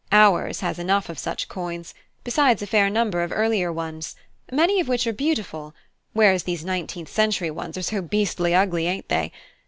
Ours has enough of such coins, besides a fair number of earlier ones, many of which are beautiful, whereas these nineteenth century ones are so beastly ugly, ain't they?